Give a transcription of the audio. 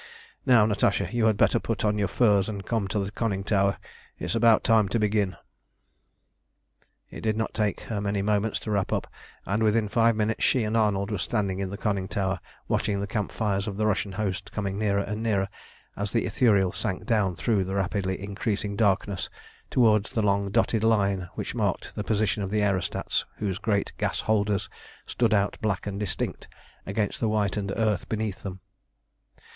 Now, Natasha, you had better put on your furs and come to the conning tower; it's about time to begin." It did not take her many moments to wrap up, and within five minutes she and Arnold were standing in the conning tower watching the camp fires of the Russian host coming nearer and nearer as the Ithuriel sank down through the rapidly increasing darkness towards the long dotted line which marked the position of the aerostats, whose great gas holders stood out black and distinct against the whitened earth beneath them.